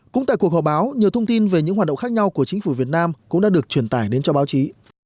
cũng tại cuộc họp báo nhiều thông tin về những hoạt động khác nhau của chính phủ việt nam cũng đã được truyền tải đến cho báo chí